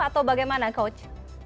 atau bagaimana coach